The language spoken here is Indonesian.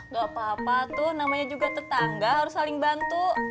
gak apa apa tuh namanya juga tetangga harus saling bantu